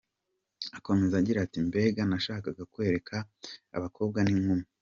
Akomeza agira ati” Mbega nashakaga kwereka abakobwa, n’inkumi.